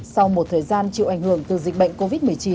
sau một thời gian chịu ảnh hưởng từ dịch bệnh covid một mươi chín